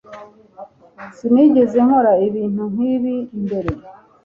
sinigeze nkora ibintu nk'ibi mbere